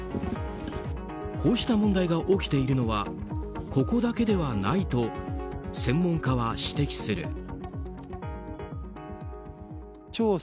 こうした問題が起きているのはここだけではないと専門家は指摘する。